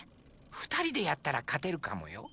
ふたりでやったらかてるかもよ？